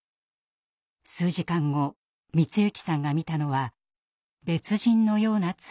数時間後光行さんが見たのは別人のような妻の姿でした。